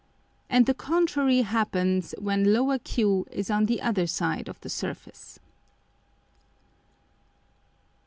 And the contrary happens when q is on the other side of the Surface.